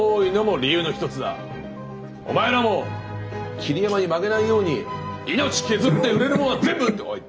お前らも桐山に負けないように命削って売れるもんは全部売ってこい！